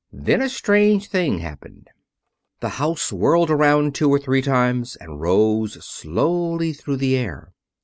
Then a strange thing happened. The house whirled around two or three times and rose slowly through the air.